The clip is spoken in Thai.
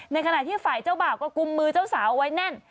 ในขณะที่ฝ่ายเจ้าบ่าวก็กุมมือเจ้าสาวเอาไว้แน่น